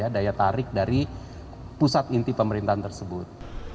daya tarik dari pusat inti pemerintahan tersebut